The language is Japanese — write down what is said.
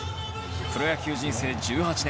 プロ野球人生１８年。